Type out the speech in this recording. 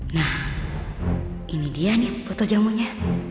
nah ini dia nih foto jamunya